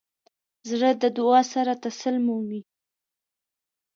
زړه د دعا سره تسل مومي.